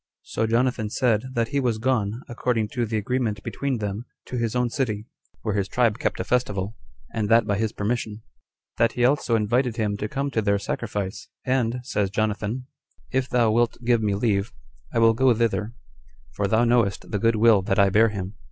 So Jonathan said, That he was gone, according to the agreement between them, to his own city, where his tribe kept a festival, and that by his permission: that he also invited him to come to their sacrifice; "and," says Jonathan, "if thou wilt give me leave, I Will go thither, for thou knowest the good will that I bear him."